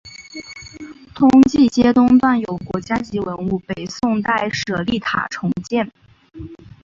通济街东段有国家级文物北宋代舍利塔重建。